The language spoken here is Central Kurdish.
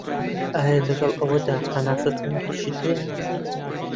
ئایا لەگەڵ ئەوەدا هەناسه تەنگیشت هەیە؟